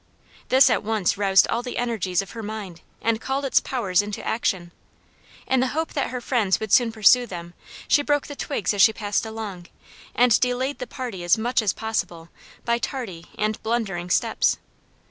This at once roused all the energies of her mind and called its powers into action. In the hope that her friends would soon pursue them she broke the twigs as she passed along and delayed the party as much as possible by tardy and blundering steps.